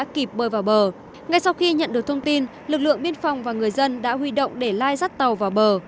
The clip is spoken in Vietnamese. khi nhận được thông tin lực lượng biên phòng và người dân đã huy động để lai rắt tàu vào bờ